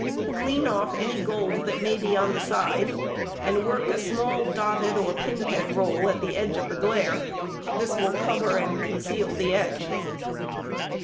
Clean off any gold that may be on the side, and |142| work a small dotted or pin head roll at the edge of the glaire. This will cover and conceal the edge.